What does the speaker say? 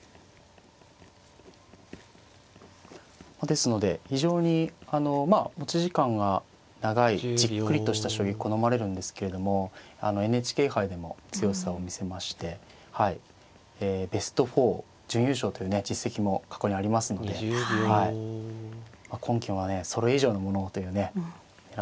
ですので非常にあのまあ持ち時間が長いじっくりとした将棋好まれるんですけれどもＮＨＫ杯でも強さを見せましてベスト４準優勝というね実績も過去にありますので今期もねそれ以上のものをというね狙ってるね。